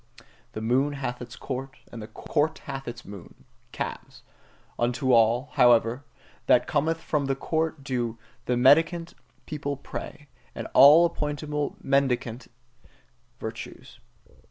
The moon hath its court, and the court hath its moon calves: unto all, however, that cometh from the court do the mendicant people pray, and all appointable mendicant virtues.